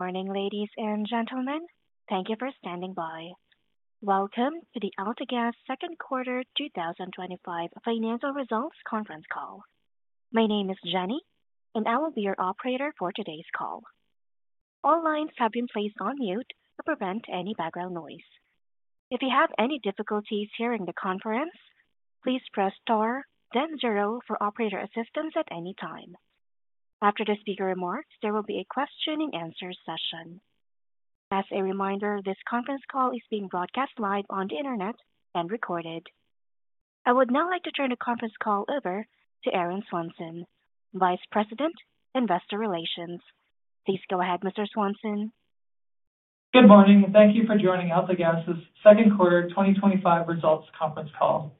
Morning ladies and gentlemen. Thank you for standing by. Welcome to the AltaGas Second Quarter 2025 Financial Results Conference Call. My name is Jenny and I will be your operator for today's call. All lines have been placed on mute to prevent any background noise. If you have any difficulties hearing the conference, please press star then zero for operator assistance. At any time after the speaker remarks, there will be a question and answer session. As a reminder, this conference call is being broadcast live on the Internet and recorded. I would now like to turn the conference call over to Aaron Swanson, Vice President, Investor Relations. Please go ahead. Mr. Swanson, good morning. Thank you for joining AltaGas second quarter 2025 results conference call.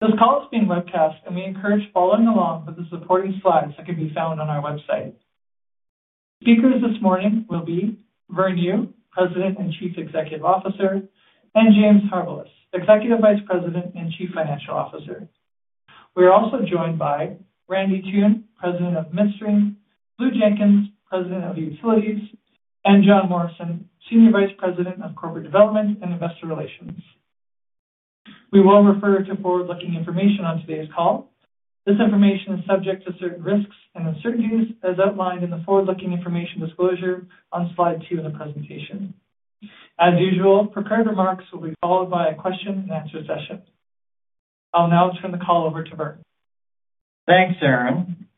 This call is being webcast and we encourage following along with the supporting slides that can be found on our website. Speakers this morning will be Vern Yu, President and Chief Executive Officer, and James Harbilas, Executive Vice President and Chief Financial Officer. We are also joined by Randy Toone, President, Midstream, Blue Jenkins, President, Utilities, and Jon Morrison, Senior Vice President of Corporate Development and Investor Relations. We will refer to forward looking information on today's call. This information is subject to certain risks and uncertainties as outlined in the Forward Looking Information disclosure on slide two of the presentation. As usual, prepared remarks will be followed by a question and answer session. I'll now turn the call over to Vern. Thanks, Aaron.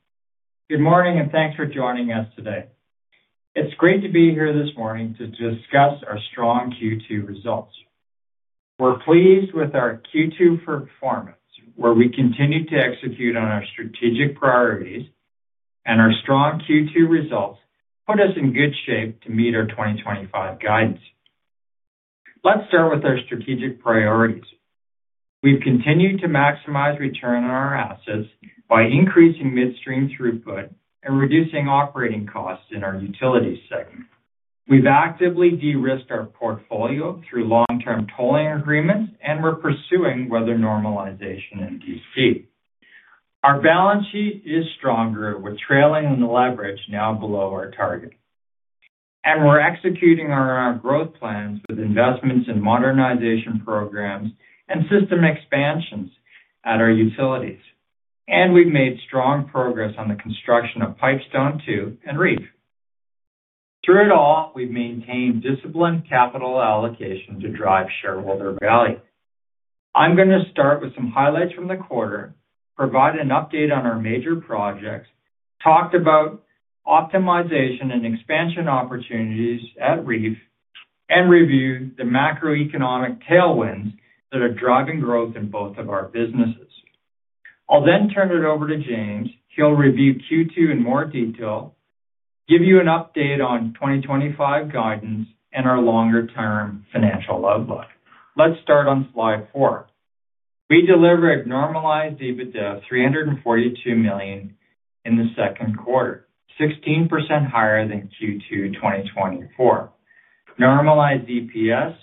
Good morning and thanks for joining us today. It's great to be here this morning to discuss our strong Q2 results. We're pleased with our Q2 performance where we continue to execute on our strategic priorities, and our strong Q2 results put us in good shape to meet our 2025 guidance. Let's start with our strategic priorities. We've continued to maximize return on our assets by increasing midstream throughput and reducing operating costs. In our Utilities segment, we've actively de-risked our portfolio through long-term tolling agreements, and we're pursuing weather normalization in D.C. Our balance sheet is stronger, with trailing and leverage now below our target, and we're executing on our growth plans with investments in modernization programs and system expansions at our utilities. We've made strong progress on the construction of Pipestone II and REEF. Through it all, we've maintained disciplined capital allocation to drive shareholder value. I'm going to start with some highlights from the quarter, provide an update on our major projects, talk about optimization and expansion opportunities at REEF, and review the macroeconomic tailwinds that are driving growth in both of our businesses. I'll then turn it over to James. He'll review Q2 in more detail, give you an update on 2025 guidance and our longer-term financial outlook. Let's start on Slide four. We delivered normalized EBITDA of $342 million in the second quarter, 16% higher than Q2. 2024 normalized EPS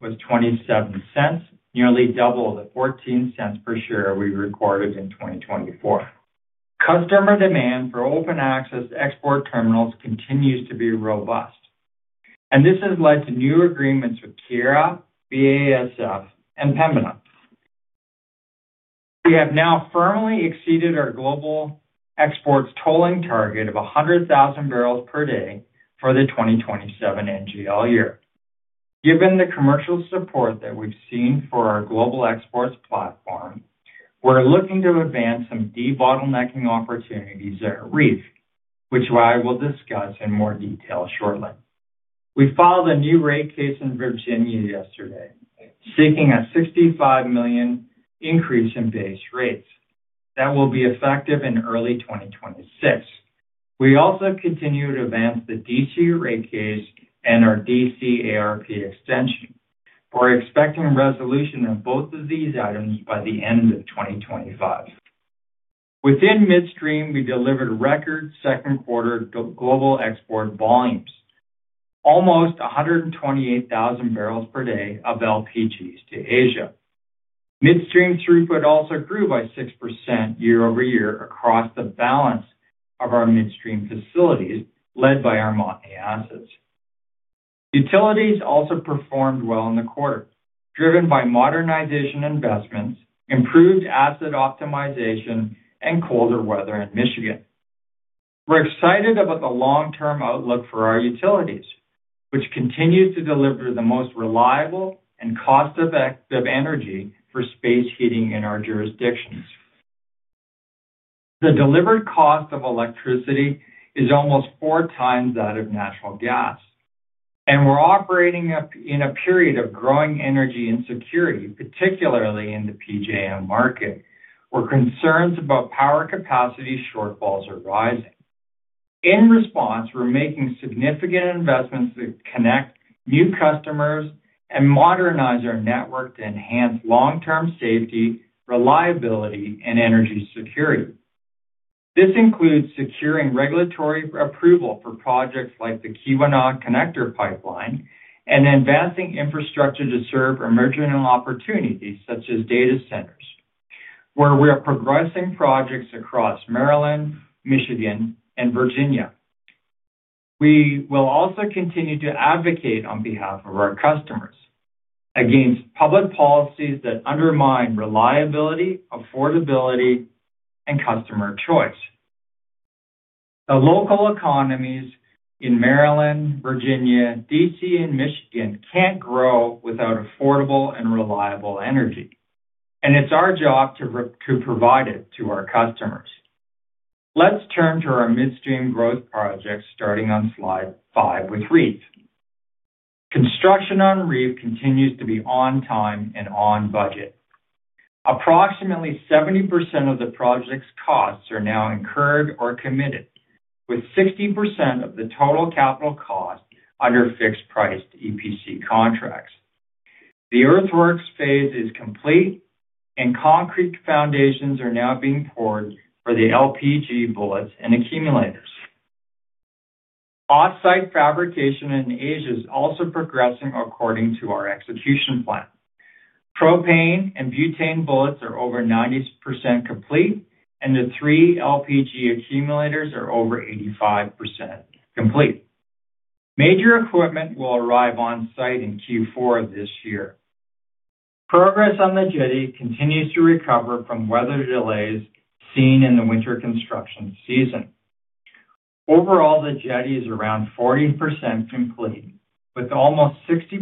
was $0.27, nearly double the $0.14 per share we recorded in 2024. Customer demand for open access export terminals continues to be robust, and this has led to new agreements with Keyera, BASF, and Pembina. We have now firmly exceeded our global exports tolling target of 100,000 barrels per day for the 2027 NGL year. Given the commercial support that we've seen for our global exports platform, we're looking to advance some debottlenecking opportunities at REEF, which I will discuss in more detail shortly. We filed a new rate case in Virginia yesterday seeking a $65 million increase in base rates that will be effective in early 2026. We also continue to advance the D.C. rate case and our D.C. ARP extension, and we're expecting resolution of both of these items by the end of 2025. Within midstream, we delivered record second quarter global export volumes, almost 128,000 barrels per day of LPGs to Asia. Midstream throughput also grew by 6% year over year across the balance of our midstream facilities, led by our Montney assets. Utilities also performed well in the quarter, driven by modernization investments, improved asset optimization, and colder weather in Michigan. We're excited about the long term outlook for our utilities, which continues to deliver the most reliable and cost effective energy for space heating in our jurisdictions. The delivered cost of electricity is almost four times that of natural gas, and we're operating in a period of growing energy insecurity, particularly in the PJM market where concerns about power capacity shortfalls are rising. In response, we're making significant investments that connect new customers and modernize our network to enhance long term safety, reliability, and energy security. This includes securing regulatory approval for projects like the Keweenaw Connector Pipeline and advancing infrastructure to serve emerging opportunities such as data centers, where we are progressing projects across Maryland, Michigan, and Virginia. We will also continue to advocate on behalf of our customers against public policies that undermine reliability, affordability, and customer choice. The local economies in Maryland, Virginia, D.C., and Michigan can't grow without affordable and reliable energy, and it's our job to provide it to our customers. Let's turn to our midstream growth projects, starting on slide five with REEF. Construction on REEF continues to be on time and on budget. Approximately 70% of the project's costs are now incurred or committed to, with 60% of the total capital cost under fixed price EPC contracts. The earthworks phase is complete, and concrete foundations are now being poured for the LPG bullets and accumulators. Off site fabrication in Asia is also progressing. According to our execution plan, propane and butane bullets are over 90% complete, and the three LPG accumulators are over 85% complete. Major equipment will arrive on site in Q4 this year. Progress on the jetty continues to recover from weather delays seen in the winter construction season. Overall, the jetty is around 40% complete, with almost 60%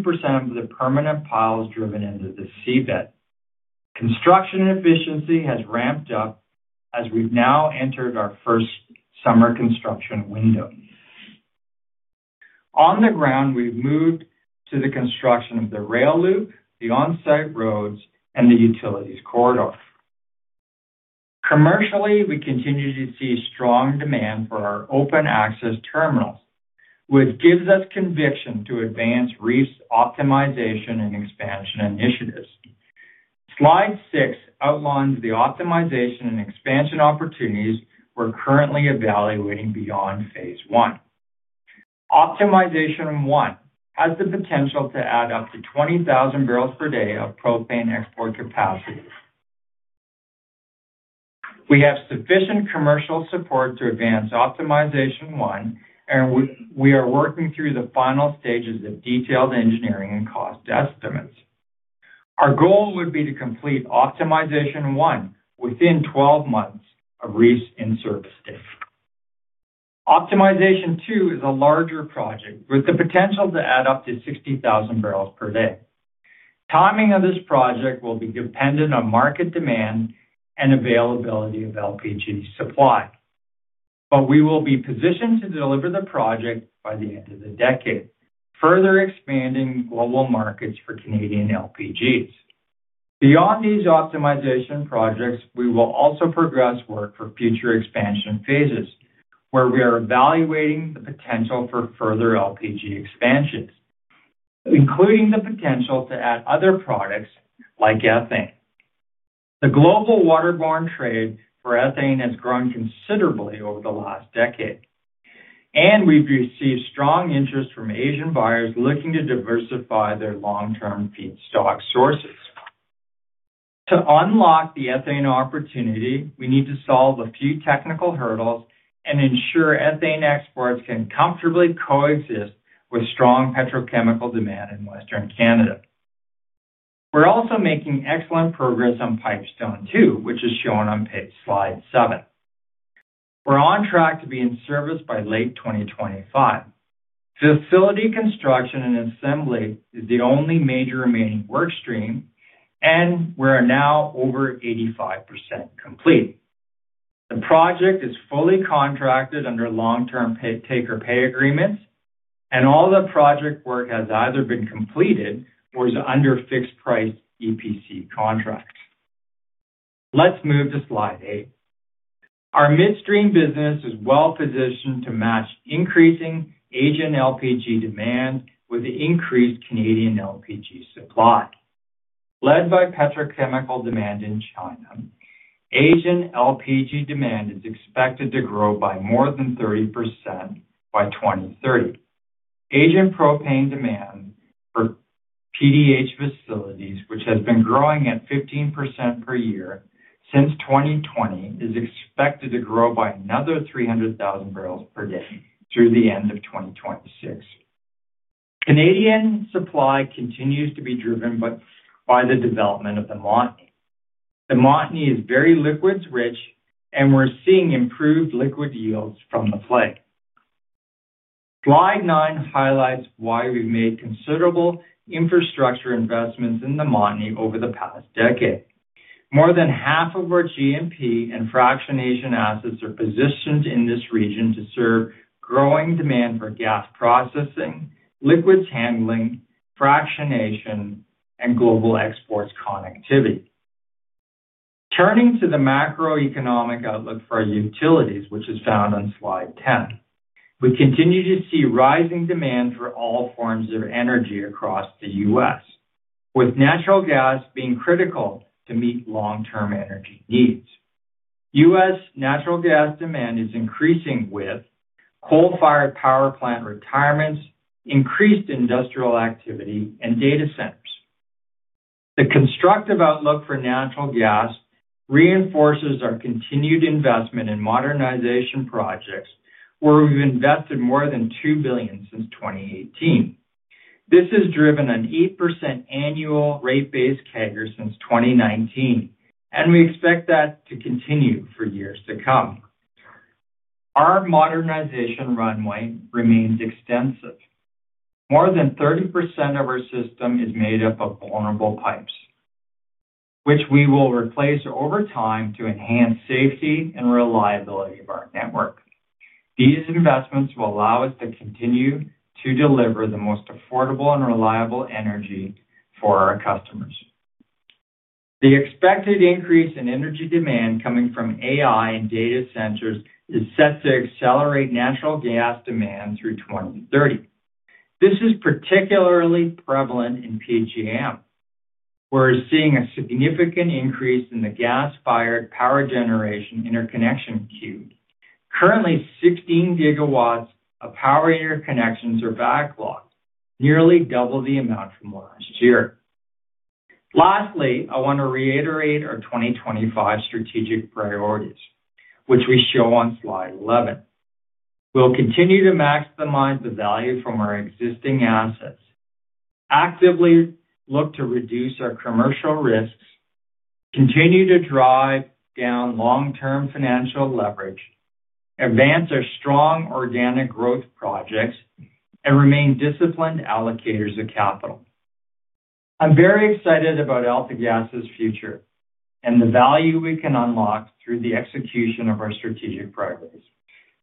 of the permanent piles driven into the seabed. Construction efficiency has ramped up as we've now entered our first summer construction window. On the ground, we've moved to the construction of the rail loop, the on site roads, and the utilities corridor. Commercially, we continue to see strong demand for our open access terminals, which gives us conviction to advance REEF optimization and expansion initiatives. Slide six outlines the optimization and expansion opportunities we're currently evaluating beyond phase one. Optimization one has the potential to add up to 20,000 barrels per day of propane export capacity. We have sufficient commercial support to advance Optimization one, and we are working through the final stages of detailed engineering and cost estimates. Our goal would be to complete Optimization 1 within 12 months of REEF's in service date. Optimization 2 is a larger project with the potential to add up to 60,000 barrels per day. Timing of this project will be dependent on market demand and availability of LPG supply. We will be positioned to deliver the project by the end of the decade, further expanding global markets for Canadian LPGs. Beyond these optimization projects, we will also progress work for future expansion phases where we are evaluating the potential for further LPG expansions, including the potential to add other products like Ethane. The global waterborne trade for ethane has grown considerably over the last decade, and we've received strong interest from Asian buyers looking to diversify their long-term feedstock sources. To unlock the ethane opportunity, we need to solve a few technical hurdles and ensure ethane exports can comfortably coexist with strong petrochemical demand in Western Canada. We're also making excellent progress on Pipestone II, which is shown on slide seven. We're on track to be in service by late 2025. Facility construction and assembly is the only major remaining work stream, and we are now over 85% complete. The project is fully contracted under long-term take-or-pay agreements, and all the project work has either been completed or is under fixed price EPC contract. Let's move to slide eight. Our midstream business is well positioned to match increasing Asian LPG demand with the increased Canadian LPG supply led by petrochemical demand in China. Asian LPG demand is expected to grow by more than 30% by 2030. Asian propane demand for PDH facilities, which has been growing at 15% per year since 2020, is expected to grow by another 300,000 barrels per day through the end of 2026. Canadian supply continues to be driven by the development of the Montney. The Montney is very liquids rich, and we're seeing improved liquid yields from the flag. Slide nine highlights why we've made considerable infrastructure investments in the Montney over the past decade. More than half of our GMP and fractionation assets are positioned in this region to serve growing demand for gas processing, liquids handling, fractionation, and global exports connectivity. Turning to the macroeconomic outlook for utilities, which is found on slide 10, we continue to see rising demand for all forms of energy across the U.S. with natural gas being critical to meet long-term energy needs. U.S. natural gas demand is increasing with coal-fired power plant retirements, increased industrial activity, and data centers. The constructive outlook for natural gas reinforces our continued investment in modernization projects, where we've invested more than $2 billion since 2018. This has driven an 8% annual rate base CAGR since 2019, and we expect that to continue for years to come. Our modernization runway remains extensive. More than 30% of our system is made up of vulnerable pipes, which we will replace over time to enhance safety and reliability of our network. These investments will allow us to continue to deliver the most affordable and reliable energy for our customers. The expected increase in energy demand coming from AI and data centers is set to accelerate natural gas demand through 2030. This is particularly prevalent in PJM. We're seeing a significant increase in the gas-fired power generation interconnection queue. Currently, 16 GW of power unit connections are backlogged, nearly double the amount from last year. Lastly, I want to reiterate our 2025 strategic priorities, which we show on slide 11. We'll continue to maximize the value from our existing assets, actively look to reduce our commercial risks, continue to drive down long-term financial leverage, advance our strong organic growth projects, and remain disciplined allocators of capital. I'm very excited about AltaGas's future and the value we can unlock through the execution of our strategic progress,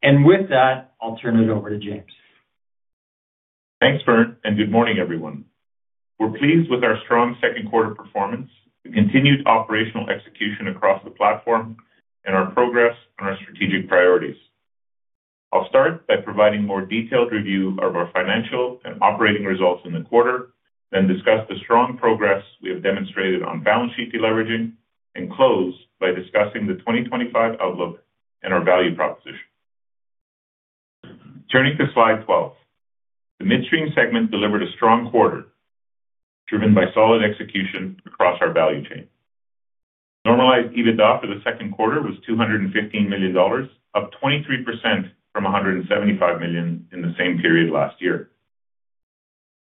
and with that, I'll turn it over to James. Thanks, Vern, and good morning, everyone. We're pleased with our strong second quarter performance, continued operational execution across the platform, and our progress on our strategic priorities. I'll start by providing a more detailed review of our financial and operating results in the quarter, then discuss the strong progress we have demonstrated on balance sheet deleveraging, and close by discussing the 2025 outlook and our value proposition. Turning to Slide 12, the Midstream segment delivered a strong quarter driven by solid execution across our value chain. Normalized EBITDA for the second quarter was $215 million, up 23% from $175 million in the same period last year.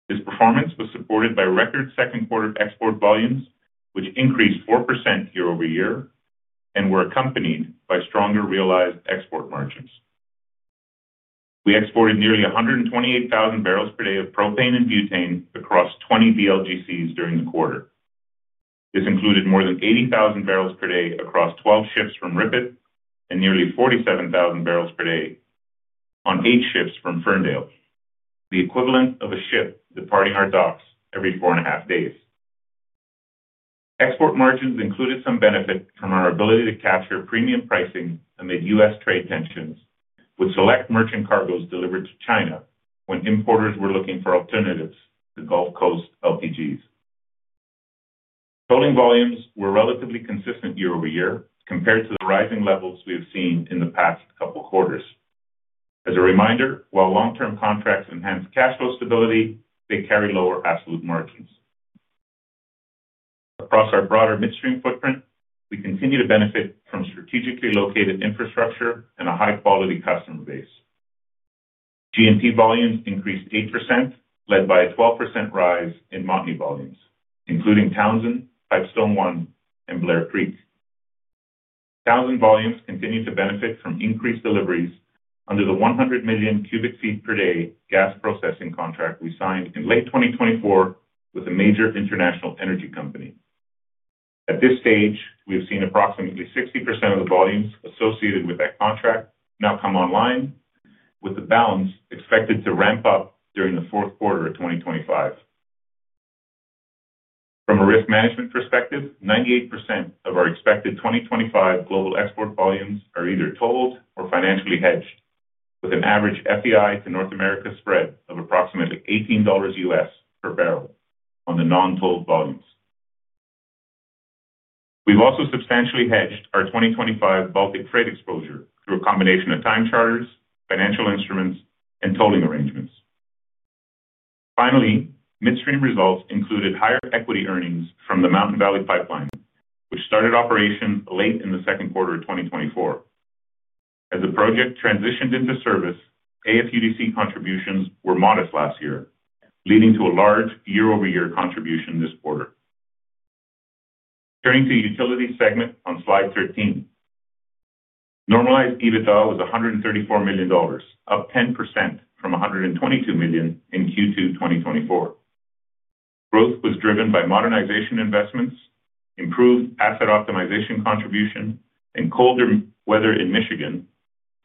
This performance was supported by record second quarter export volumes, which increased 4% year over year and were accompanied by stronger realized export margins. We exported nearly 128,000 barrels per day of propane and butane across 20 VLGCs during the quarter. This included more than 80,000 barrels per day across 12 ships from RIPET and nearly 47,000 barrels per day on eight ships from Ferndale, the equivalent of a ship departing our docks every four and a half days. Export margins included some benefit from our ability to capture premium pricing amid U.S. trade tensions with select merchant cargoes delivered to China when importers were looking for alternatives. The Gulf Coast LPG export polling volumes were relatively consistent year over year compared to the rising levels we have seen in the past couple of quarters. As a reminder, while long-term contracts enhance cash flow stability, they carry lower absolute margins across our broader midstream footprint. We continue to benefit from strategically located infrastructure and a high-quality customer base. GMP volumes increased 8%, led by a 12% rise in Montney volumes, including Townsend, Pipestone I, and Blair Creek. Townsend volumes continue to benefit from increased deliveries under the 100 million cubic feet per day gas processing contract we signed in late 2024 with a major international energy company. At this stage, we have seen approximately 60% of the volumes associated with that contract now come online, with the balance expected to ramp up during the fourth quarter of 2025. From a risk management perspective, 98% of our expected 2025 global export volumes are either tolled or financially hedged, with an average FDI to North America spread of approximately $18 U.S. per barrel on the non-toll volumes. We've also substantially hedged our 2025 Baltic freight exposure through a combination of time charters, financial instruments, and tolling arrangements. Finally, midstream results included higher equity earnings from the Mountain Valley Pipeline, which started operation late in the second quarter 2024. As the project transitioned into service, UDC contributions were modest last year, leading to a large year-over-year contribution this quarter. Turning to the Utilities segment on slide 13, normalized EBITDA was $134 million, up 10% from $122 million in Q2 2024. Growth was driven by modernization investments, improved asset optimization contribution, and colder weather in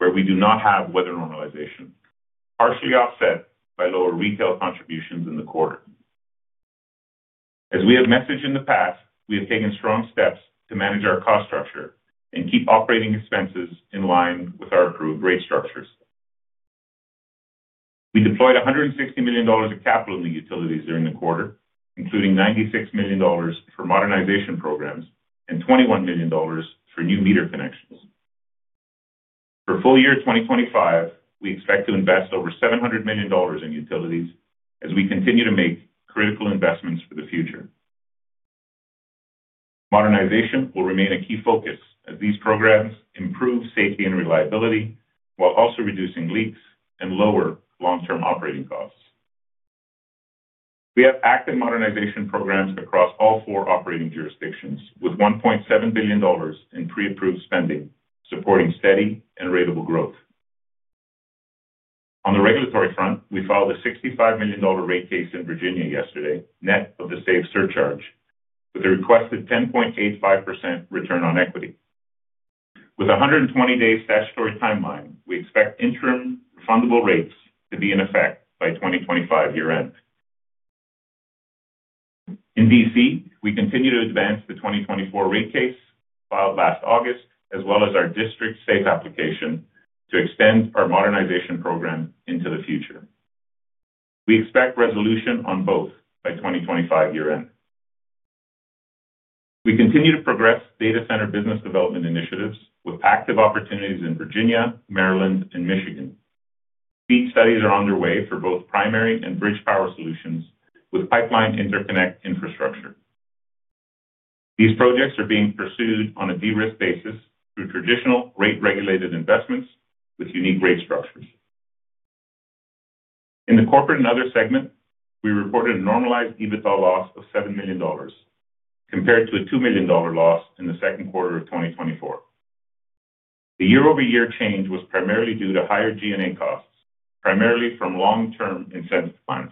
Michigan where we do not have weather normalization, partially offset by lower retail contributions in the quarter. As we have messaged in the past, we have taken strong steps to manage our cost structure and keep operating expenses in line with our approved rate structures. We deployed $160 million of capital in the Utilities during the quarter, including $96 million for modernization programs and $21 million for new meter connections. For full year 2025, we expect to invest over $700 million in Utilities as we continue to make critical investments for the future. Modernization will remain a key focus as these programs improve safety and reliability while also reducing leaks and lowering long-term operations. We have active modernization programs across all four operating jurisdictions, with $1.7 billion in pre-approved spending supporting steady and ratable growth. On the regulatory front, we filed a $65 million rate case in Virginia yesterday, net of the SAFE surcharge. With a requested 10.85% return on equity with a 120-day statutory timeline, we expect interim refundable rates to be in effect by 2025 year-end. In D.C., we continue to advance the 2024 rate case filed last August as well as our District SAFE application to extend our modernization program into the future. We expect resolution on both by 2025 year-end. We continue to progress data center business development initiatives with active opportunities in Virginia, Maryland, and Michigan. Speed studies are underway for both primary and bridge power solutions with pipeline interconnect infrastructure. These projects are being pursued on a de-risked basis through traditional rate-regulated investments with unique rate structures. In the corporate and other segment, we reported a normalized EBITDA loss of $7 million compared to a $2 million loss in the second quarter of 2024. The year-over-year change was primarily due to higher G&A costs, primarily from long-term incentive plans.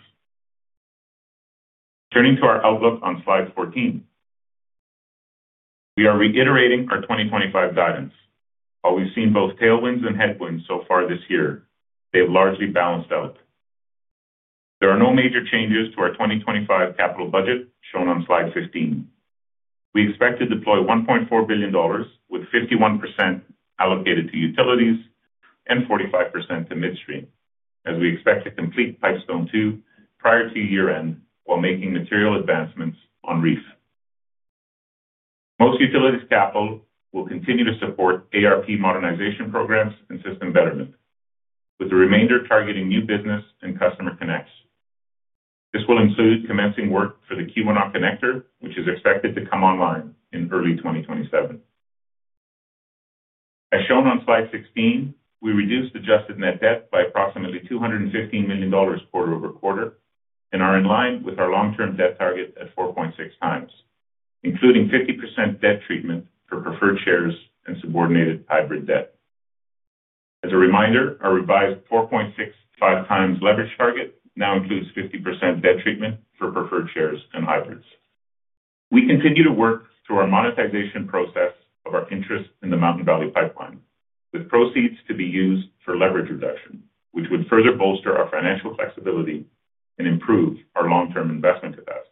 Turning to our outlook on slide 14, we are reiterating our 2025 guidance. While we've seen both tailwinds and headwinds so far this year, they have largely balanced out. There are no major changes to our 2025 capital budget shown on slide 15. We expect to deploy $1.4 billion with 51% allocated to utilities and 45% to midstream as we expect to complete Pipestone II prior to year-end while making material advancements on REEF. Most utilities capital will continue to support ARP modernization programs and system betterment, with the remainder targeting new business and customer connects. This will include commencing work for the Keweenaw connector pipeline, which is expected to come online in early 2027. As shown on slide 16, we reduced adjusted net debt by approximately $215 million quarter over quarter and are in line with our long-term debt target at 4.6 times, including 50% debt treatment for preferred shares and subordinated hybrid debt. As a reminder, our revised 4.65 times leverage target now includes 50% debt treatment for preferred shares and hybrids. We continue to work through our monetization process of our interest in the Mountain Valley Pipeline, with proceeds to be used for leverage reduction, which would further bolster our financial flexibility and improve our long-term investment capacity.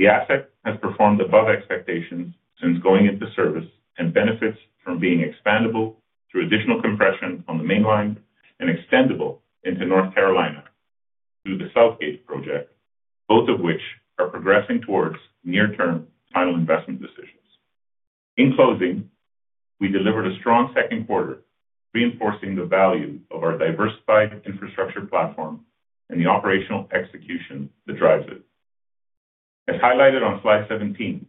The asset has performed above expectations since going into service and benefits from being expandable through additional compression on the mainline and extendable into North Carolina through the Southgate project, both of which are progressing towards near-term final investment decisions. In closing, we delivered a strong second quarter, reinforcing the value of our diversified infrastructure platform and the operational execution that drives it. As highlighted on slide 17,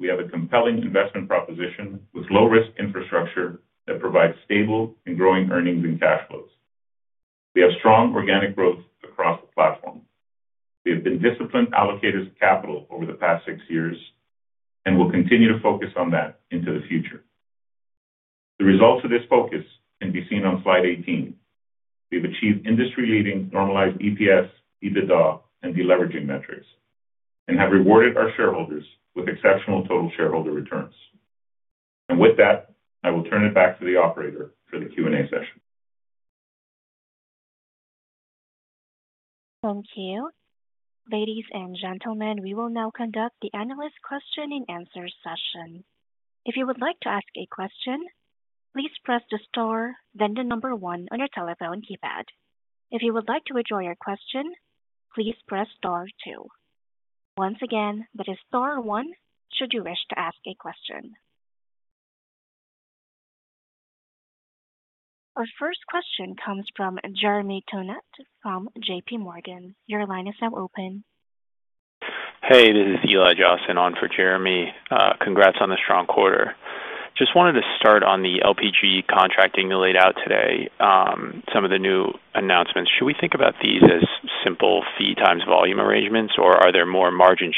we have a compelling investment proposition with low-risk infrastructure that provides stable and growing earnings and cash flows. We have strong organic growth across the platform. We have been disciplined allocators of capital over the past six years and will continue to focus on that into the future. The results of this focus can be seen on slide 18. We've achieved industry-leading normalized EPS, leading EBITDA and deleveraging metrics, and have rewarded our shareholders with exceptional total shareholder returns. With that, I will turn it back to the operator for the Q&A session. Thank you, ladies and gentlemen. We will now conduct the analyst question and answer session. If you would like to ask a question, please press the star, then the number one on your telephone keypad. If you would like to withdraw your question, please press star two. Once again, that is star one should you wish to ask a question. Our first question comes from Jeremy Tonet from JPMorgan. Your line is now open. Hey, this is Eli Jossen on for Jeremy. Congrats on the strong quarter. Just wanted to start on the LPG contracting you laid out today. Some of the new announcements. Should we think about these as simple fee times, volume arrangements, or are there more margin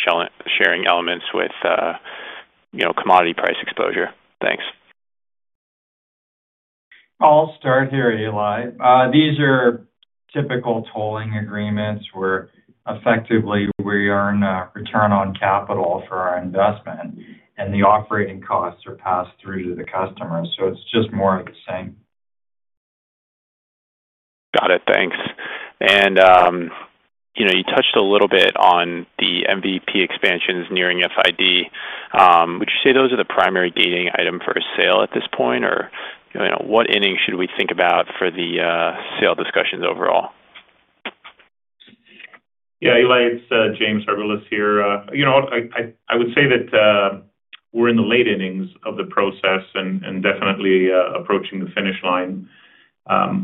sharing elements with, you know, commodity price exposure? Thanks. I'll start here. Eli. These are typical tolling agreements where effectively we earn return on capital for our investment and the operating costs are passed through to the customer, so it's just more of the same. Got it, thanks. You touched a little bit on the Mountain Valley Pipeline expansions nearing FID. Would you say those are the primary gating item for a sale at this point, or what inning should we think about for the sale discussions overall? Yeah, Eli, it's James Harbilas here. I would say that we're in the late innings of the process and definitely approaching the finish line.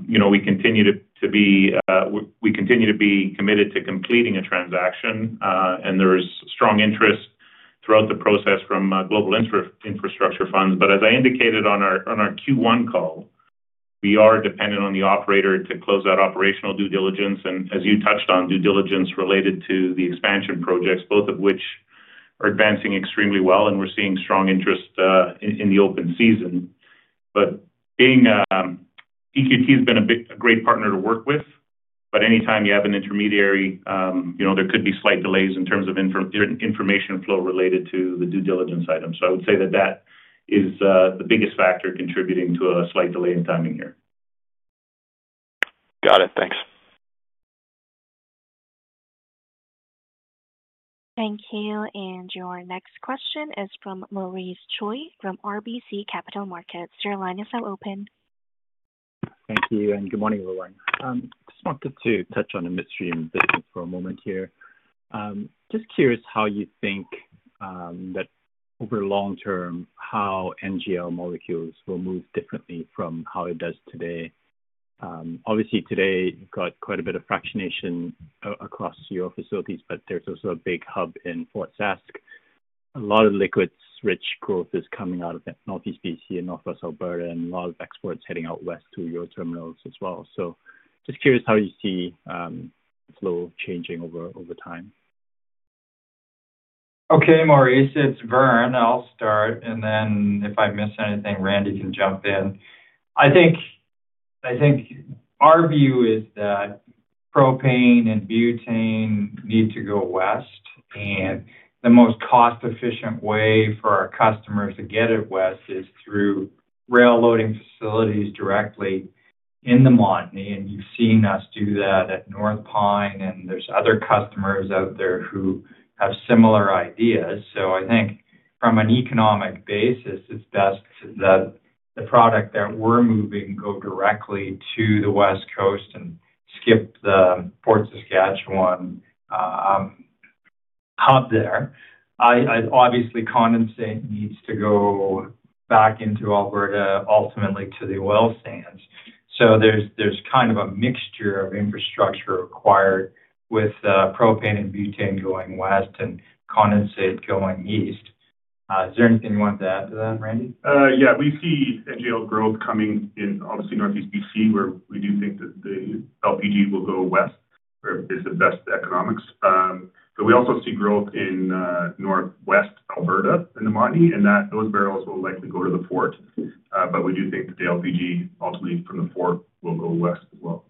We continue to be committed to completing a transaction and there is strong interest throughout the process from global infrastructure funds. As I indicated on our Q1 call, we are dependent on the operator to close out operational due diligence. As you touched on, due diligence related to the expansion projects, both of which are advancing extremely well, and we're seeing strong interest in the open season. EQT has been a great partner to work with. Anytime you have an intermediary, there could be slight delays in terms of information flow related to the due diligence items. I would say that is the biggest factor contributing to a slight delay in timing here. Got it, thanks. Thank you. Your next question is from Maurice Choy from RBC Capital Markets. Your line is now open. Thank you and good morning everyone. Just wanted to touch on the midstream business for a moment here. Just curious how you think that over long term how NGL molecules will move differently from how it does today? Obviously today you've got quite a bit of fractionation across your facilities, but there's also a big hub in Fort Sask, a lot of liquids rich growth is coming out of northeast B.C. and northwest Alberta, and a lot of exports heading out west to your terminals as well. Just curious how you see flow changing over time. Okay, Maurice, it's Vern. I'll start and then if I miss anything, Randy can jump in. I think our view is that propane and butane need to go west and the most cost efficient way for our customers to get it west is through rail loading facilities directly in the Montney. You've seen us do that at North Pine and there are other customers out there who have similar ideas. I think from an economic basis it's best that the product that we're moving go directly to the west coast and skip the Port Saskatchewan hub there. Obviously, condensate needs to go back into Alberta, ultimately to the oil sands. There's kind of a mixture of infrastructure required with propane and butane going west and condensate going east. Is there anything you want to add to that, Randy? Yeah, we see NGL growth coming in obviously northeast B.C. where we do think that the LPG will go west as the best economics. We also see growth in northwest Alberta in the Montney, and those barrels will likely go to the Fort. We do think that the LPG ultimately from the Fort will go west as well.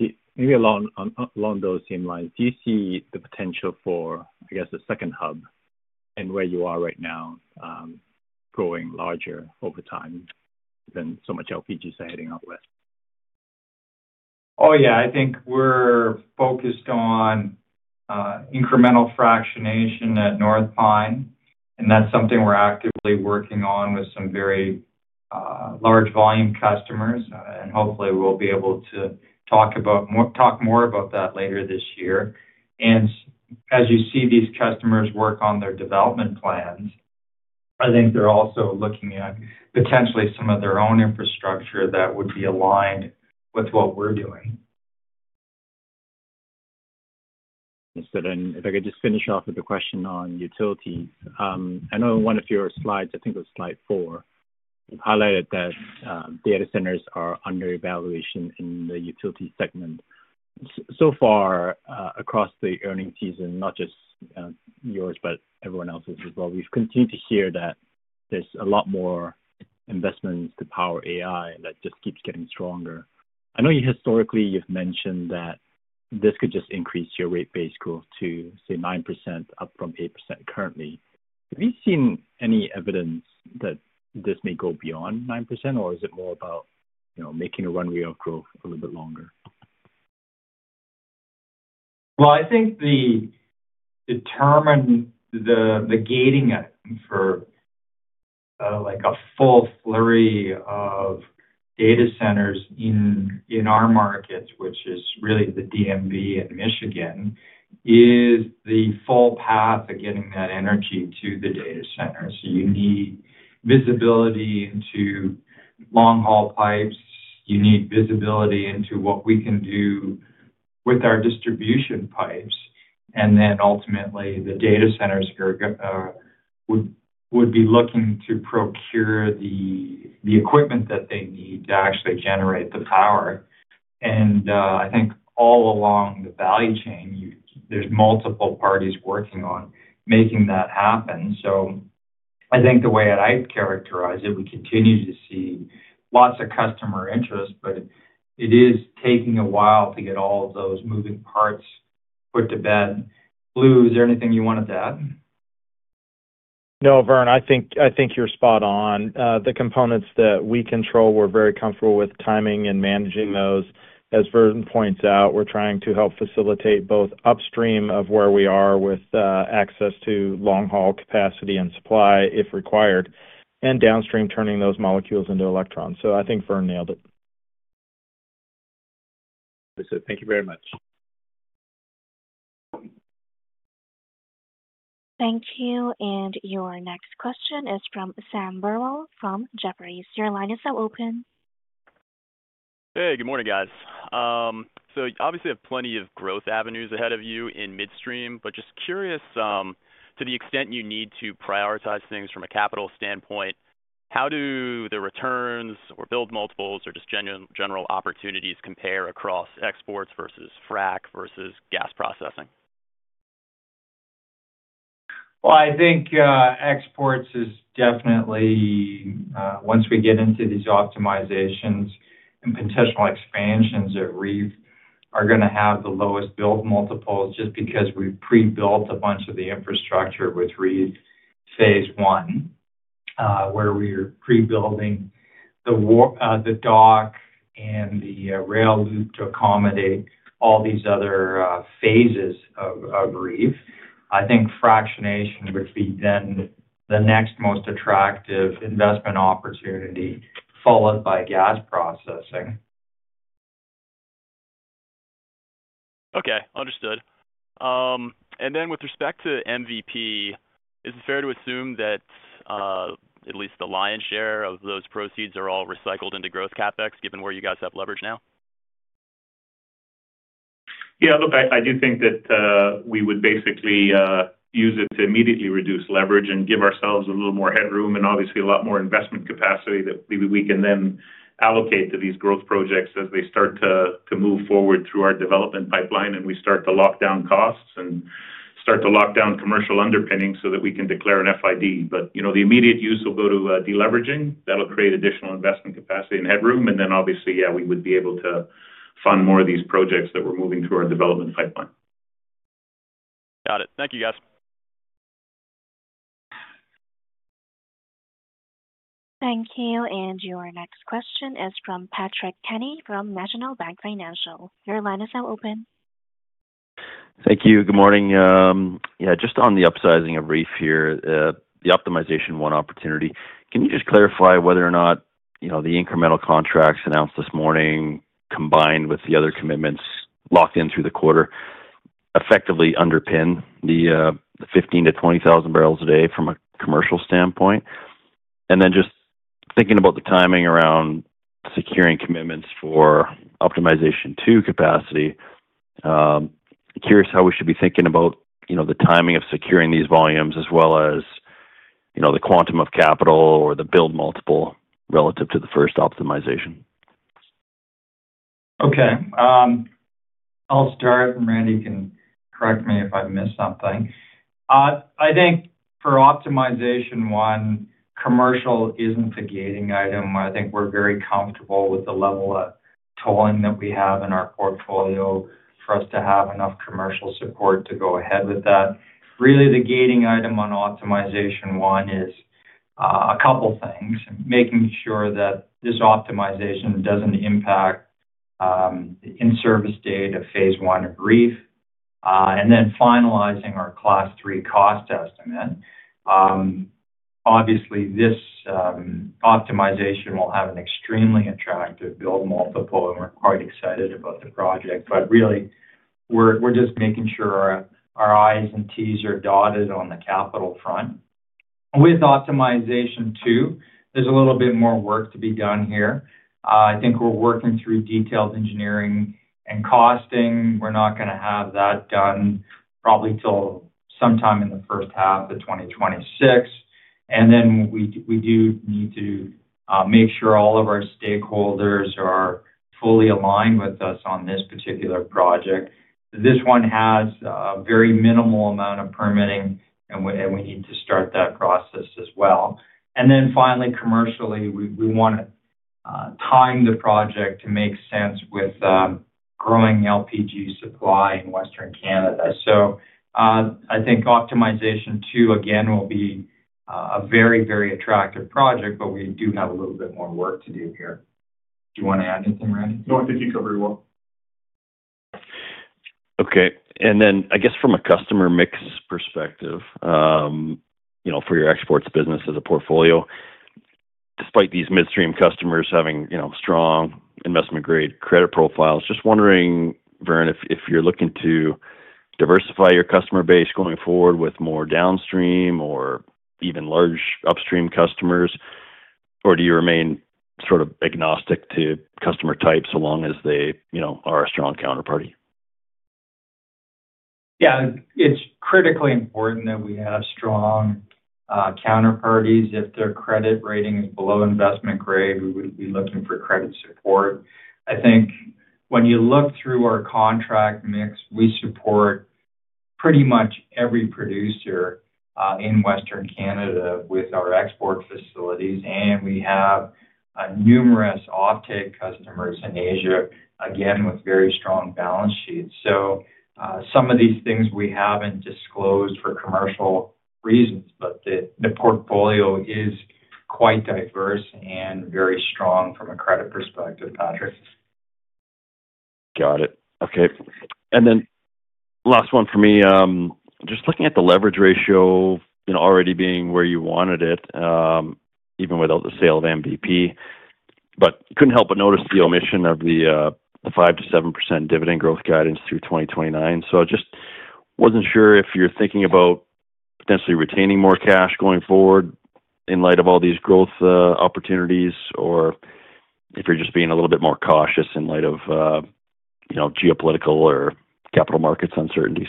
Maybe along those same lines, do you see the potential for, I guess, a second hub and where you are right now, growing larger over time than so much LPG siting out west? I think we're focused on incremental fractionation at North Pine, and that's something we're actively working on with some very large volume customers. Hopefully, we'll be able to talk more about that later this year. As you see these customers work on their development plans, I think they're also looking at potentially some of their own infrastructure that would be aligned with what we're doing. If I could just finish off with a question on utilities. I know one of your slides, I think it was slide 4, highlighted that data centers are under evaluation in the utility segment so far across the earnings season. Not just yours, but everyone else's as well. We've continued to hear that there's a lot more investments to power AI that just keeps getting stronger. I know historically you've mentioned that this could just increase your rate base growth to say 9%, up from 8% currently. Have you seen any evidence that this may go beyond 9% or is it more about making a runway of growth a little bit longer? I think the determining gating item for a full flurry of data centers in our markets, which is really the DMV in Michigan, is the full path of getting that energy to the data center. You need visibility into long haul pipes, you need visibility into what we can do with our distribution pipes, and ultimately the data centers would be looking to procure the equipment that they need to actually generate the power. I think all along the value chain there's multiple parties working on making that happen. The way that I characterize it, we continue to see lots of customer interest, but it is taking a while to get all of those moving parts put to bed. Blue, is there anything you wanted to add? No, Vern, I think you're spot on. The components that we control, we're very comfortable with timing and managing those. As Vern points out, we're trying to help facilitate both upstream of where we are with the access to long haul capacity and supply if required, and downstream turning those molecules into electrons. I think Vern nailed it. Thank you very much. Thank you. Your next question is from Sam Burwell from Jefferies. Your line is now open. Good morning guys. You obviously have plenty of growth avenues ahead of you in midstream. Just curious, to the extent you need to prioritize things from a capital standpoint, how do the returns or build multiples or just general opportunities compare across exports versus frac versus gas processing? I think exports is definitely, once we get into these optimizations and potential expansions at REEF, are going to have the lowest build multiples. Just because we pre-built a bunch of the infrastructure with REEF phase one, where we are pre-building the dock and the rail loop to accommodate all these other phases of REEF, I think fractionation would be then the next most attractive investment opportunity, followed by gas processing. Okay, understood. With respect to Mountain Valley Pipeline, is it fair to assume that at least the lion's share of those proceeds are all recycled into growth CapEx given where you guys have leverage now? Yeah, look, I do think that we would basically use it to immediately reduce leverage and give ourselves a little more headroom and obviously a lot more investment capacity that we can then allocate to these growth projects as they start to move forward through our development pipeline and we start to lock down costs and start to lock down commercial underpinnings so that we can declare an FID. The immediate use will go to deleveraging. That will create additional investment capacity and headroom, and obviously, yeah, we would be able to fund more of these projects that we're moving through our development pipeline. Got it. Thank you, guys. Thank you. Your next question is from Patrick Kenny from National Bank Financial. Your line is now open. Thank you. Good morning. Just on the upsizing of REEF here, the optimization one opportunity, can you clarify whether or not the incremental contracts announced this morning combined with the other commitments locked in through the quarter effectively underpin the 15,000-20,000 barrels a day from a commercial standpoint? Just thinking about the timing around securing commitments for optimization to capacity, curious how we should be thinking about the timing of securing these volumes as well as the quantum of capital or the build multiple relative to the first optimization? Okay, I'll start and Randy can correct me if I miss something. I think for optimization one, commercial isn't the gating item. I think we're very comfortable with the level of tolling that we have in our portfolio. For us to have enough commercial support to go ahead with that, really, the gating item on optimization one is a couple things. Making sure that this optimization doesn't impact in-service date of phase one REEF, and then finalizing our class three cost estimate. Obviously, this optimization will have an extremely attractive build multiple and we're quite excited about the project. We're just making sure our I's and T's are dotted on the capital front. With optimization two, there's a little bit more work to be done here. I think we're working through detailed engineering and costing. We're not going to have that done probably until sometime in the first half of 2026. We do need to make sure all of our stakeholders are fully aligned with us on this particular project. This one has a very minimal amount of permitting and we need to start that process as well. Finally, commercially, we want to time the project to make sense with growing LPG supply in Western Canada. I think optimization two, again, will be a very, very attractive project. We do have a little bit more work to do here. Do you want to add anything, Randy? No, I think you covered it well. Okay. I guess from a customer mix perspective, for your exports business as a portfolio, despite these midstream customers having strong investment-grade credit profiles, just wondering, Vern, if you're looking to diversify your customer base going forward with more downstream or even large upstream customers, or do you remain sort of agnostic to customer types as long as they are a strong counterparty? Yeah, it's critically important that we have strong counterparties. If their credit rating is below investment grade, we would be looking for credit certificates. I think when you look through our contract mix, we support pretty much every producer in Western Canada with our export facilities, and we have numerous offtake customers in Asia, again with very strong balance sheets. Some of these things we haven't disclosed for commercial reasons. The portfolio is quite diverse and very strong from a credit perspective. Patrick. Got it. Okay. Last one for me, just looking at the leverage ratio, you know, already being where you wanted it even without the sale of MVP, but couldn't help but notice the omission of the 5–7% dividend growth guidance through 2029. I just wasn't sure if you're thinking about potentially retaining more cash going forward in light of all these growth opportunities or if you're just being a little bit more cautious in light of, you know, geopolitical or capital markets uncertainties.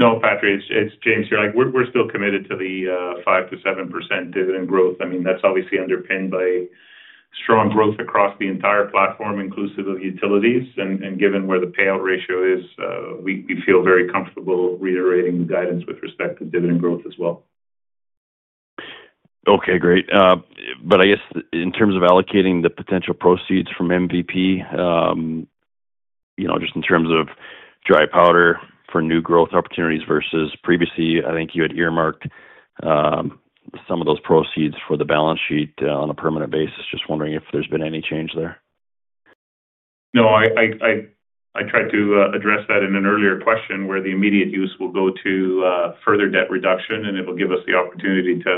No, Patrick, it's James here. We're still committed to the 5–7% dividend growth. That's obviously underpinned by strong growth across the entire platform, inclusive of utilities. Given where the payout ratio is, we feel very comfortable reiterating the guidance with respect to dividend growth as well. Okay, great. I guess in terms of allocating the potential proceeds from MVP, just in terms of dry powder for new growth opportunities versus previously, I think you had earmarked some of those proceeds for the balance sheet on a permanent basis. Just wondering if there's been any change there? I tried to address that in an earlier question where the immediate use will go to free further debt reduction. It will give us the opportunity to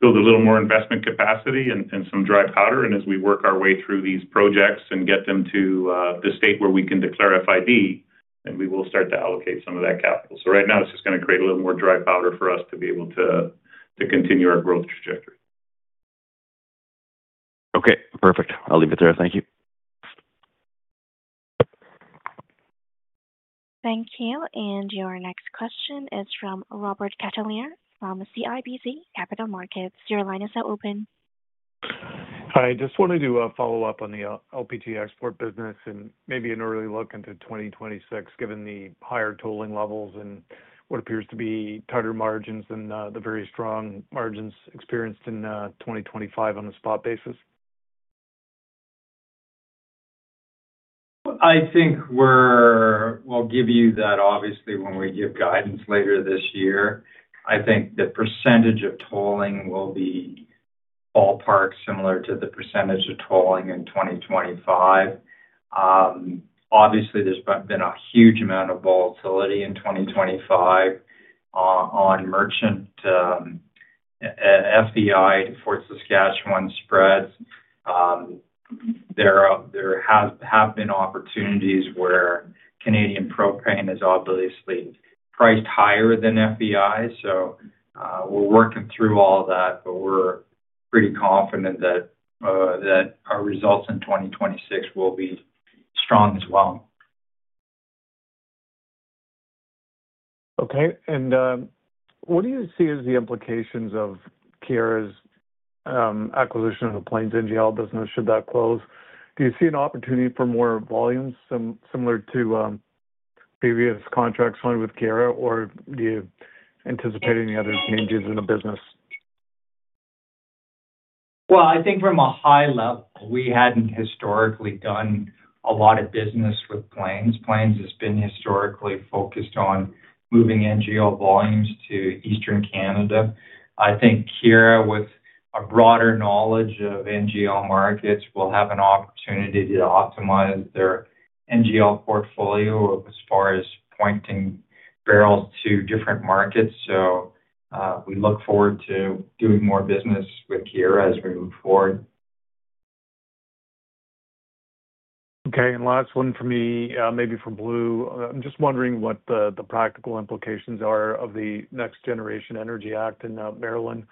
build a little more investment capacity and some dry powder. As we work our way through these projects and get them to the state where we can declare FID, we will start to allocate some of that capital. Right now it's just going to create a little more dry powder for us to be able to continue our growth trajectory. Okay, perfect. I'll leave it there. Thank you. Thank you. Your next question is from Robert Catellier from CIBC Capital Markets. Your line is now open. Hi. I just wanted to follow up on the LPG export business and maybe an early look into 2026. Given the higher tolling levels and what appears to be tighter margins than the very strong margins experienced in 2025 on a spot basis. I think we'll give you that. Obviously, when we give guidance later this year, I think the percentage of tolling will be ballpark similar to the percentage of tolling in 2025. Obviously, there's been a huge amount of volatility in 2025 on merchant FEI for Saskatchewan spreads. There have been opportunities where Canadian propane is obviously priced higher than FEI. We're working through all that, but we're pretty confident that our results in 2026 will be strong as well. Okay, what do you see as the implications of Keyera's acquisition of the Plains NGL business? Should that close, do you see an opportunity for more volumes similar to previous contracts with Keyera, or do you anticipate any other changes in the business? I think from a high level, we hadn't historically done a lot of business with Plains. Plains has been historically focused on moving NGL volumes to Eastern Canada. I think Keyera, with a broader knowledge of NGL markets, will have an opportunity to optimize their NGL portfolio as far as pointing barrels to different markets. We look forward to doing more business with Keyera as we move forward. Okay, last one for me, maybe for Blue. I'm just wondering what the practical implications are of the Next Generation Energy Act in Maryland,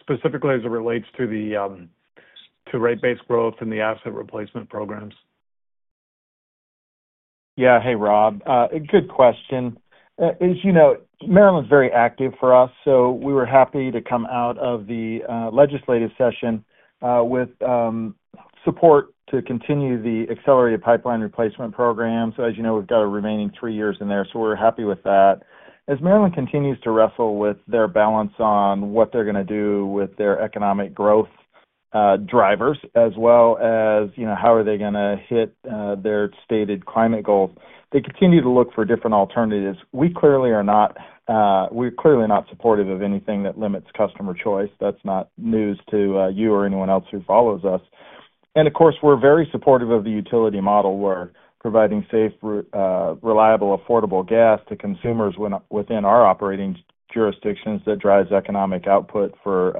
specifically as it relates to rate base growth and the asset replacement programs? Yeah. Hey, Rob, good question. As you know, Maryland is very active for us, so we were happy to come out of the legislative session with support to continue the accelerated pipeline replacement program. As you know, we've got a remaining three years in there, so we're happy with that. As Maryland continues to wrestle with their balance on what they're going to do with their economic growth drivers, as well as how are they going to hit their stated climate goals, they continue to look for different alternatives. We clearly are not. We're clearly not supportive of anything that limits customer choice. That's not news to you or anyone else who follows us. Of course, we're very supportive of the utility model. We're providing safe, reliable, affordable gas to consumers within our operating jurisdictions. That drives economic output for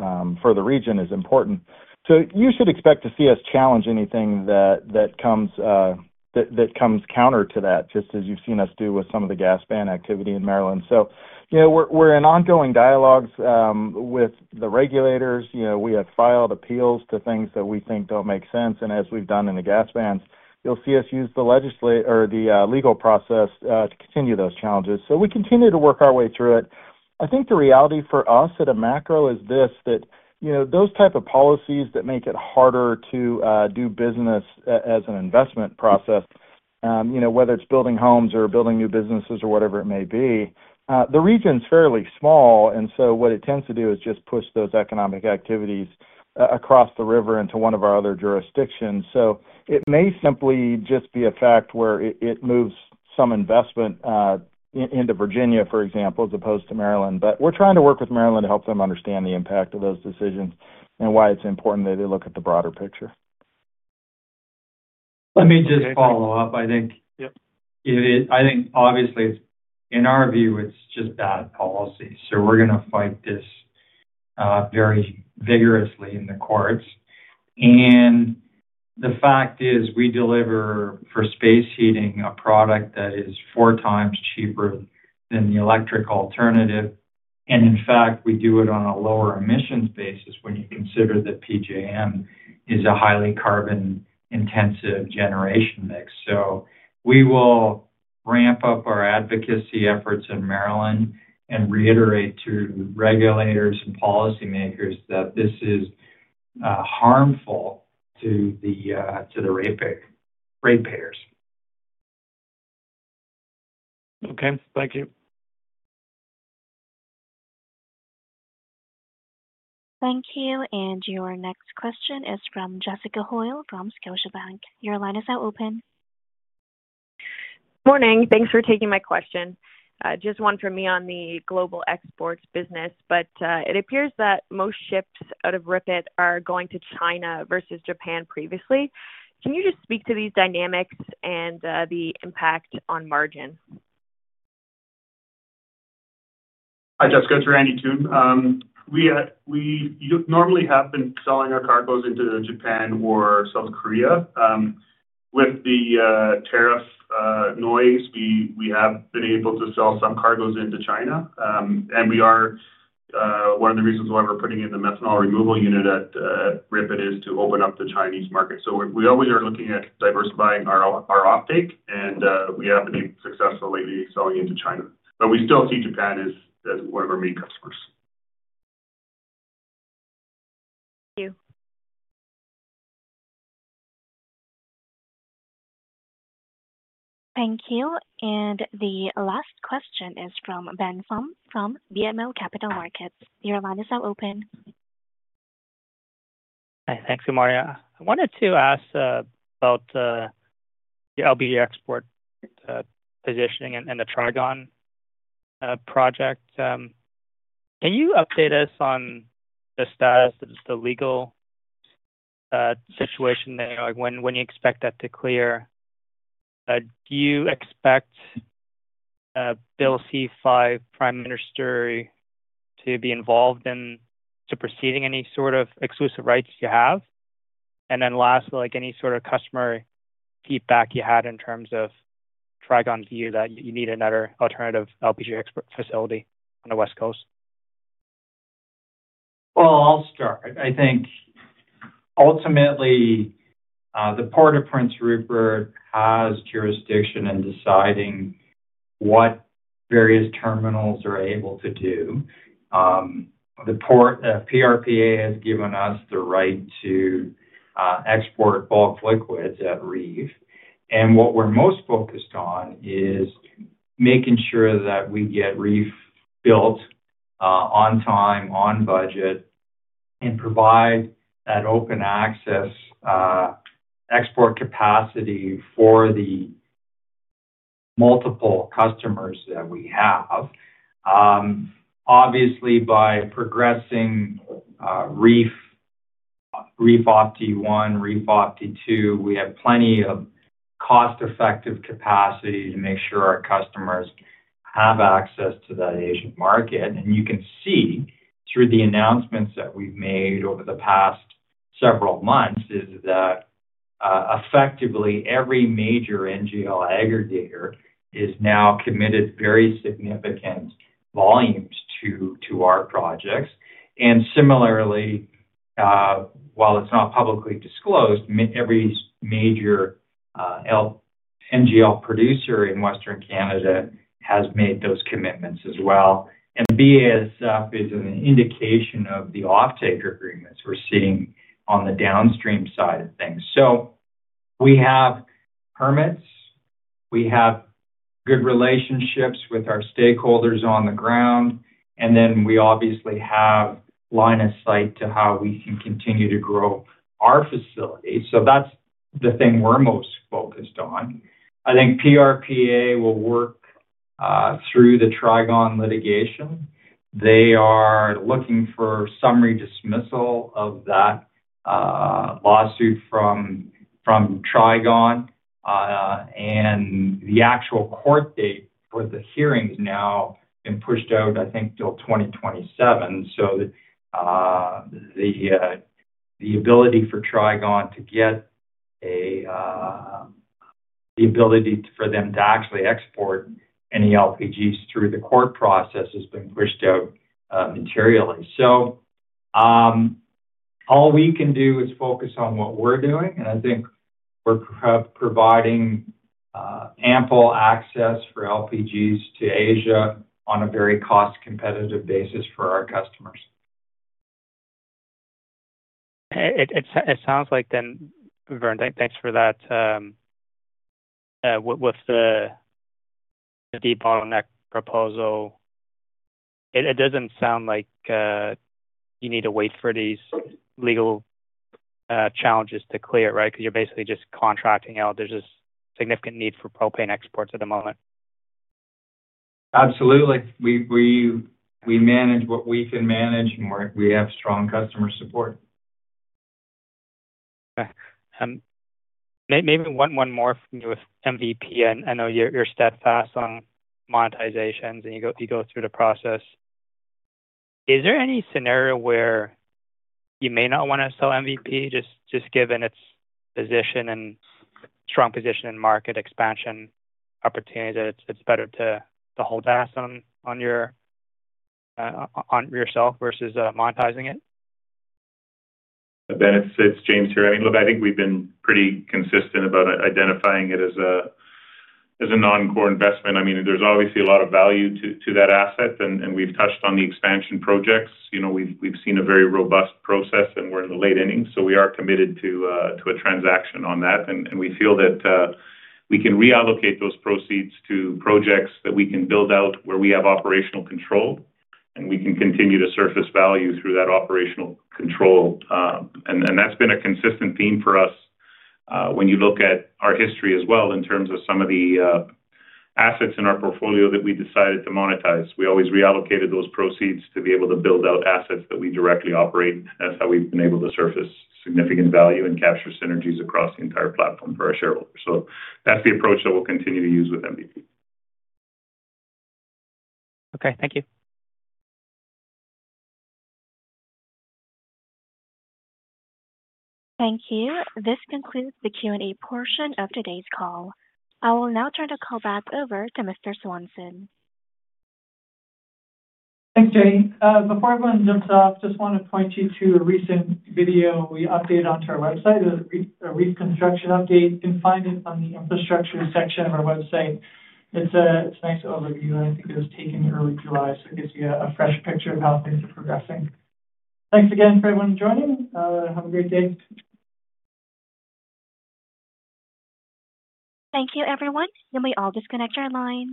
the region and is important. You should expect to see us challenge anything that comes counter to that, just as you've seen us do with some of the gas ban activity in Maryland. We're in ongoing dialogues with the regulators, we have filed appeals to things that we think don't make sense. As we've done in the gas bans, you'll see us use the legislative or the legal process to continue those challenges. We continue to work our way through it. I think the reality for us at a macro is this, that those type of policies that make it harder to do business as an investment process, whether it's building homes or building new businesses or whatever it may be, the region's fairly small. What it tends to do is just push those economic activities across the river into one of our other jurisdictions. It may simply just be a fact where it moves some investment into Virginia, for example, as opposed to Maryland. We're trying to work with Maryland to help them understand the impact of those decisions and why it's important that they look at the broader picture. Let me just follow up. I think, yep. I think obviously in our view, it's just bad policy. We are going to fight this very vigorously in the courts. The fact is, we deliver for space heating a product that is four times cheaper than the electric alternative. In fact, we do it on a lower emissions basis when you consider that PJM is a highly carbon intensive generation mix. We will ramp up our advocacy efforts in Maryland and reiterate to regulators and policymakers that this is harmful to the ratepayers. Okay, thank you. Thank you. Your next question is from Jessica Hoyle from Scotiabank. Your line is now open. Morning. Thanks for taking my question. Just one for me on the global exports business. It appears that most ships out of RIPET are going to China versus Japan previously. Can you just speak to these dynamics and the impact on margin? Hi Jessica, it's Randy Toone. We normally have been selling our cargoes into Japan or South Korea. With the tariff noise, we have been able to sell some cargoes into China and we are. One of the reasons why we're putting in the methanol removal unit at RIPET is to open up the Chinese market. We always are looking at diversifying our offtake and we haven't been successful lately selling into China, but we still see Japan as one of our main customers. Thank you. The last question is from Ben Pham from BMO Capital Markets. Your line is now open. Thanks, Amaria. I wanted to ask about the LPG export positioning and the Trigon project. Can you update us on the status of the legal situation there, when you expect that to clear? Do you expect Bill C5 or the Prime Minister to be involved in superseding any sort of exclusive rights you have? Lastly, any sort of customer feedback you had in terms of Trigon, view that you need another alternative LPG export facility on the West Coast? I think ultimately the Port of Prince Rupert has jurisdiction in deciding what various terminals are able to do. The Port PRPA has given us the right to export bulk liquids at REEF, and what we're most focused on is making sure that we get REEF built on time, on budget, and provide that open access export capacity for the multiple customers that we have. Obviously, by progressing REEF Opti 1, REEF Opti 2, we have plenty of cost-effective capacity to make sure our customers have access to that Asian market. You can see through the announcements that we've made over the past several months that effectively every major NGL aggregator is now committed very significant volumes to our projects. Similarly, while it's not publicly disclosed, every major NGL producer in Western Canada has made those commitments as well. BASF is an indication of the offtake agreement we're seeing on the downstream side of things. We have permits, we have good relationships with our stakeholders on the ground, and we obviously have line of sight to how we can continue to grow our facility. That's the thing we're most focused on. I think PRPA will work through the Trigon litigation. They are looking for summary dismissal of that lawsuit from Trigon, and the actual court date for the hearings has now been pushed out, I think, until 2027. The ability for Trigon to actually export any LPGs through the court process has been pushed out materially. All we can do is focus on what we're doing, and I think we're providing ample access for LPGs to Asia on a very cost-competitive basis for our customers. It sounds like then, Vern, thanks for that. With the debottleneck proposal, it doesn't sound like you need to wait for these legal challenges to clear, right, because you're basically just contracting out. There's a significant need for propane exports at the moment. Absolutely. We manage what we can manage, and we have strong customer support. Maybe one more from you with MVP. I know you're steadfast on monetizations and you go through the process. Is there any scenario where you may not want to sell MVP, just given its position and strong position in market expansion opportunities? It's better to hold as on yourself versus monetizing it. Ben, it's James here. I think we've been pretty consistent about identifying it as a non-core investment. There's obviously a lot of value to that asset and we've touched on the expansion projects. We've seen a very robust process and we're in the late innings. We are committed to a transaction on that and we feel that we can reallocate those proceeds to projects that we can build out where we have operational control and we can continue to surface value through that operational control. That's been a consistent theme for us. When you look at our history as well, in terms of some of the assets in our portfolio that we decided to monetize, we always reallocated those proceeds to be able to build out assets that we directly operate. That's how we've been able to surface significant value and capture synergies across the entire platform for our shareholders. That's the approach that we'll continue to use with MVP. Okay, thank you. Thank you. This concludes the Q&A portion of today's call. I will now turn the call back over to Mr. Swanson. Thanks, Jay. Before everyone jumps off, just want to point you to a recent video we updated onto our website, a reconstruction update. You can find it on the infrastructure section of our website. It's a nice overview. I think it was taken early July, so it gives you a fresh picture of how things are progressing. Thanks again for everyone joining. Have a great day. Thank you, everyone. You may all disconnect your line.